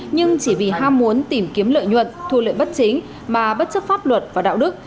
nhưng chỉ vì ham muốn tìm kiếm lợi nhuận thu lợi bất chính mà bất chấp pháp luật và đạo đức